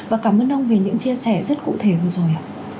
và cảm ơn ông về những chia sẻ rất cụ thể vừa rồi